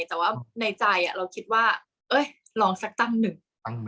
แต่ว่าในใจเราคิดว่าลองสักตั้งหนึ่ง